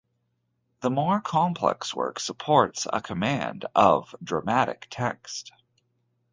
The more complex work supports a command of dramatic text.